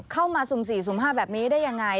เข้ามาสุ่มสี่สุ่มห้าแบบนี้ได้ยังไง